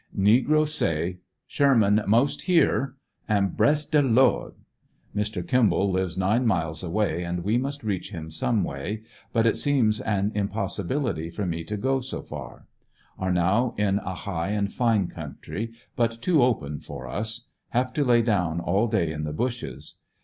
Negroes say "Sherman most here" and "Bress de Lord!" Mr, Kimball lives nine miles away and we must reach him §ome way, but it seems an impossibility for me to go so far. Are now in a high and fine country, bat too open for us. Have to lay down all di^y in the bushes.